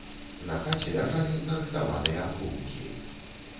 На хаце ляжалі нарыхтаваныя клумкі.